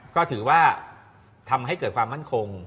ก็ถือว่าทำให้เกิดความมั่นคง